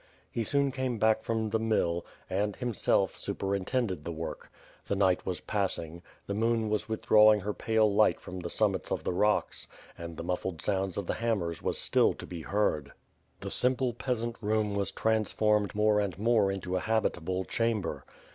He soon came back from the mill and, himself, superintended the work. The night was passing; the moon was withdrawing her pale light from the summits of the rocks; and the muffled sounds of the ham mers was still to be heard. The simple peasant room was transformed more and more into a habitable chamber.